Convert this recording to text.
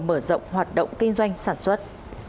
mở rộng hoạt động kinh doanh sản xuất